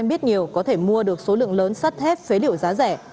biết nhiều có thể mua được số lượng lớn sắt thép phế liệu giá rẻ